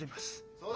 そうだ！